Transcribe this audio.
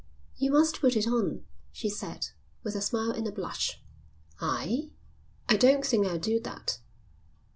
"You must put it on," she said, with a smile and a blush. "I? I don't think I'll do that."